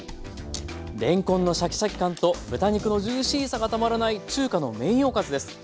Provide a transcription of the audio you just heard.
れんこんのシャキシャキ感と豚肉のジューシーさがたまらない中華のメインおかずです。